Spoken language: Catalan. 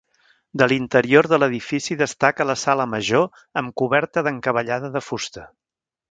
De l'interior de l'edifici destaca la sala major amb coberta d'encavallada de fusta.